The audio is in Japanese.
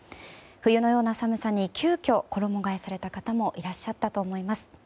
冬のような寒さに急きょ衣替えされた方もいらっしゃったと思います。